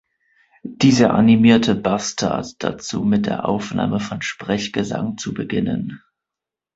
Dieser animierte Basstard dazu mit der Aufnahme von Sprechgesang zu beginnen.